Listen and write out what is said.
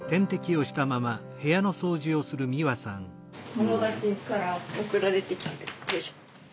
友達から送られてきた。